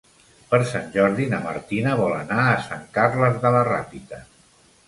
Per Sant Jordi na Martina vol anar a Sant Carles de la Ràpita.